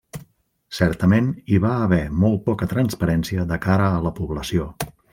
Certament, hi va haver molt poca transparència de cara a la població.